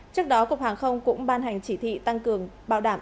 trước đó cục hàng không cũng ban hành chỉ thị tăng cường bảo đảm